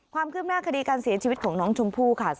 ความคืบหน้าคดีการเสียชีวิตของน้องชมพู่ค่ะ